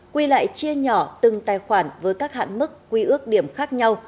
quy lại chia nhỏ từng tài khoản với các hạn mức quy ước điểm khác nhau